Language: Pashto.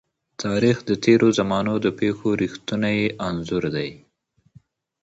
تاریخ د تېرو زمانو د پېښو رښتينی انځور دی.